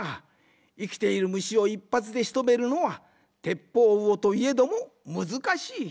いきているむしをいっぱつでしとめるのはテッポウウオといえどもむずかしい。